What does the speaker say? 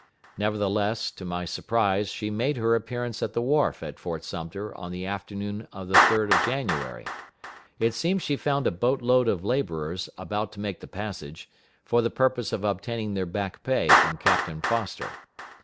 Nevertheless, to my surprise, she made her appearance at the wharf at Fort Sumter on the afternoon of the 3d of January. It seems she found a boat load of laborers about to make the passage, for the purpose of obtaining their back pay from Captain Foster.